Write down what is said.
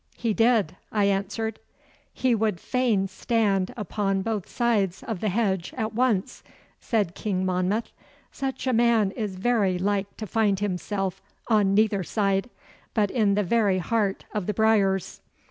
'He did,' I answered. 'He would fain stand upon both sides of the hedge at once,' said King Monmouth. 'Such a man is very like to find himself on neither side, but in the very heart of the briars.